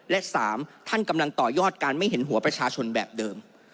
และ๓ท่านกำลังต่อยอดการไม่เห็นหัวประชาชนแบบเดิม